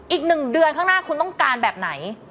อีก๑เดือนข้างหน้าคุณต้องการแบบไหน